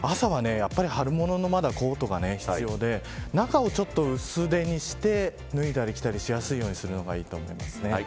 朝はまだ春物のコートが必要で中を薄手にして脱いだり着たりしやすいようにするのがいいと思います。